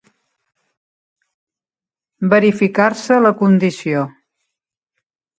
Verificar-se la condició.